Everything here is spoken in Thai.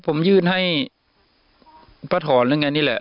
ผมยื่นให้ป้าถอนหรือไงนี่แหละ